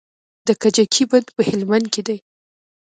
د کجکي بند په هلمند کې دی